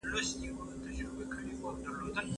ثروت او نفوس د پرمختګ لاملونه دي.